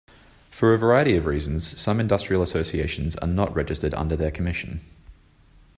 For a variety of reasons, some industrial associations are not registered under their commission.